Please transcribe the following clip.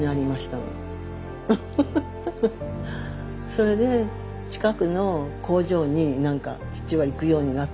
それで近くの工場に父は行くようになったの。